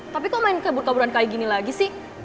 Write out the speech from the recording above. tapi kok main kebur keburan kayak gini lagi sih